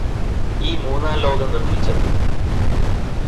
ഈ മൂന്നാം ലോകം നിര്മ്മിച്ചത്